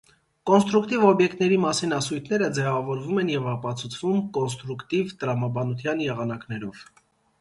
Կոնստրուկտիվ օբյեկտների մասին ասույթները ձևավորվում են և ապացուցվում կոնստրուկտիվ տրամաբանության եղանակներով։